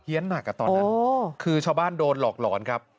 หนักอ่ะตอนนั้นคือชาวบ้านโดนหลอกหลอนครับ